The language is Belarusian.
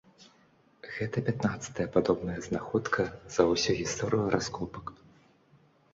Гэта пятнаццатая падобная знаходка за ўсю гісторыю раскопак.